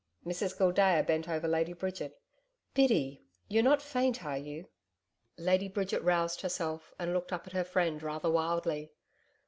Mrs Gildea bent over Lady Bridget. 'Biddy! ... You're not faint, are you?' Lady Bridget roused herself and looked up at her friend rather wildly....